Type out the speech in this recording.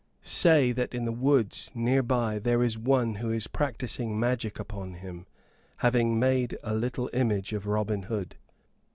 Say that in the woods near by there is one who is practising magic upon him, having made a little image of Robin Hood.